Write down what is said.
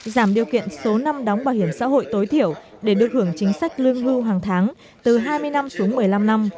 giảm điều kiện số năm đóng bảo hiểm xã hội tối thiểu để được hưởng chính sách lương hưu hàng tháng từ hai mươi năm xuống một mươi năm năm